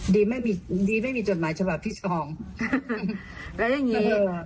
แต่วันนี้ธนัยตั้มก็ไปออกรายการโหนกระแสของพี่หนุ่มกัญชัย